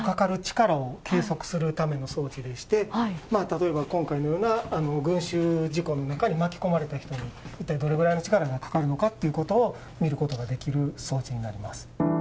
例えば今回のような群衆事故の中に巻き込まれた人に、一体どれぐらいの力がかかるのかということを見ることができる装置になります。